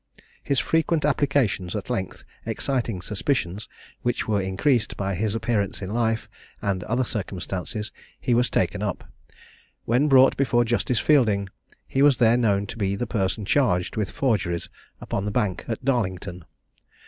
His frequent applications at length exciting suspicions, which were increased by his appearance in life, and other circumstances, he was taken up. When brought before Justice Fielding, he was there known to be the person charged with forgeries upon the bank at Darlington.